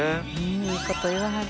いい事言わはる。